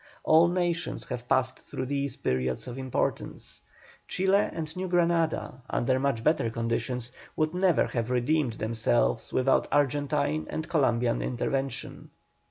All nations have passed through these periods of impotence. Chile and New Granada, under much better conditions, would never have redeemed themselves without Argentine and Columbian intervention.